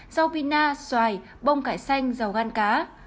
rau pina xoài bông cải xanh dầu gan cá